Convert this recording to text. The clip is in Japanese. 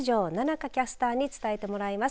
花キャスターに伝えてもらいます。